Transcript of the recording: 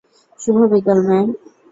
শুভ বিকাল, ম্যাম।